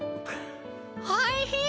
おいひい！